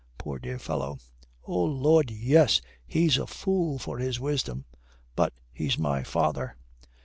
Poor, dear fellow." "Oh Lud, yes, he's a fool for his wisdom. But he's my father."